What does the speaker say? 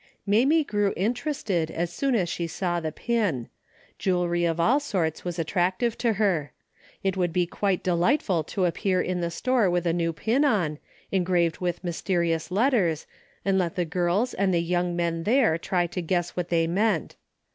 Mamie grew interested as soon as she saw the pin. Jewelry of all sorts was attractive to her. It would be quite delightful to appear in the store with a new pin on, engraved with mysterious letters, and let the girls and the young men there try to guess what they A DAILY RATE.^^ 241 meant.